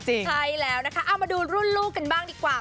ใช่แล้วนะคะเอามาดูรุ่นลูกกันบ้างดีกว่า